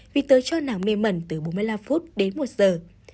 vì tới cho nàng mê mẩn từ bốn mươi năm phút đến một giờ